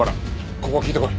ここ聞いてこい。